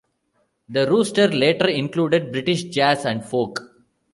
The roster later included British jazz and folk.